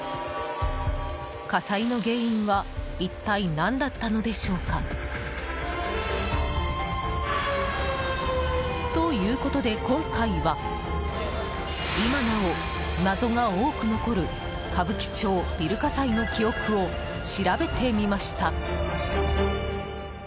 火災の原因は一体何だったのでしょうか？ということで、今回は今なお謎が多く残る歌舞伎町ビル火災の記憶を調べてみました。